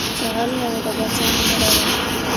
ـ چې غل نه وې د پاچاه نه مه ډارېږه.